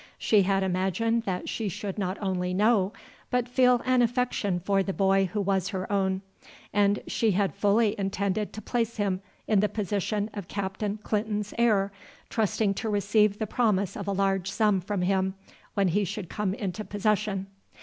She had imagined that she should not only know, but feel an affection for the boy who was her own, and she had fully intended to place him in the position of Captain Clinton's heir, trusting to receive the promise of a large sum from him when he should come into possession.